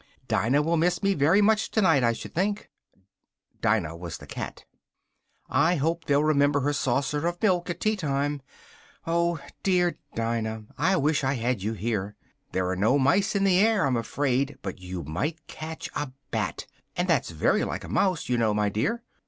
"Dinah will miss me very much tonight, I should think!" (Dinah was the cat.) "I hope they'll remember her saucer of milk at tea time! Oh, dear Dinah, I wish I had you here! There are no mice in the air, I'm afraid, but you might catch a bat, and that's very like a mouse, you know, my dear.